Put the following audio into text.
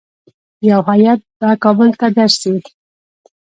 یو هیات به کابل ته درسي.